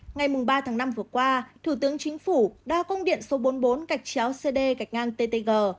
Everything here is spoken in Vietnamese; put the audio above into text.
ngày ba tháng năm vừa qua thủ tướng chính phủ đã công điện số bốn mươi bốn gạch chéo cd gạch ngang ttg